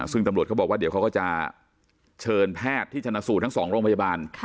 ซึ่งตำรวจเขาบอกว่าเดี๋ยวเขาก็จะเชิญแพทย์ที่ชนะสูตรทั้ง๒โรงพยาบาล